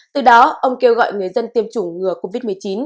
từ đó ông kêu gọi người dân tiêm chủng ngừa covid một mươi chín